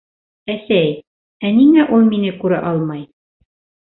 Әсәй, ә ниңә ул мине күрә алмай?